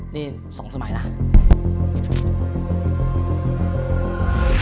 นี่๒สมัยแล้ว